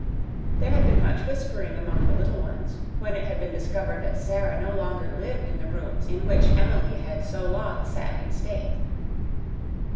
There had been much whispering among the little ones when it had been discovered that Sara no longer lived in the rooms in which Emily had so long sat in state.